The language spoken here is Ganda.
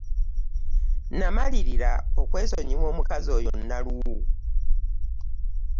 Namalirira okwesonyiwa omukazi oyo Naluwu.